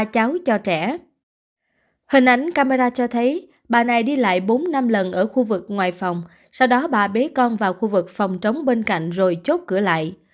hình ảnh camera cho thấy bà này đi lại bốn năm lần ở khu vực ngoài phòng sau đó bà bế con vào khu vực phòng trống bên cạnh rồi chốt cửa lại